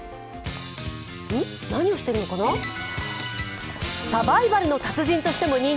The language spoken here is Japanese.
何をしているのかな？